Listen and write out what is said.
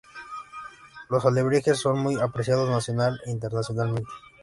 Los alebrijes son muy apreciados nacional e internacionalmente.